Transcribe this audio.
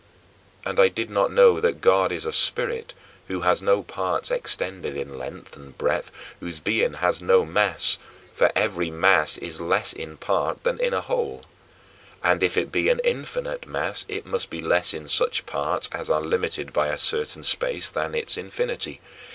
And I did not know that God is a spirit who has no parts extended in length and breadth, whose being has no mass for every mass is less in a part than in a whole and if it be an infinite mass it must be less in such parts as are limited by a certain space than in its infinity.